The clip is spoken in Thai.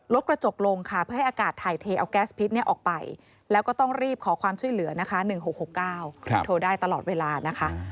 กระจกลงค่ะเพื่อให้อากาศถ่ายเทเอาแก๊สพิษออกไปแล้วก็ต้องรีบขอความช่วยเหลือนะคะ๑๖๖๙โทรได้ตลอดเวลานะคะ